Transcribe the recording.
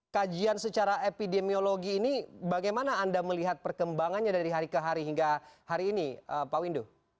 kajian secara epidemiologi ini bagaimana anda melihat perkembangannya dari hari ke hari hingga hari ini pak windu